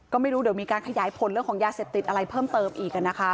ก็ไม่รู้เดี๋ยวมีการขยายผลเรื่องของยาเสพติดอะไรเพิ่มเติมอีกนะคะ